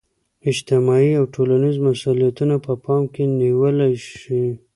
اجتماعي او ټولنیز مسولیتونه په پام کې نیول شي.